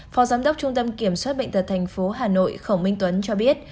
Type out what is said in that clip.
phó giám đốc trung tâm kiểm soát bệnh tật thành phố hà nội khổng minh tuấn cho biết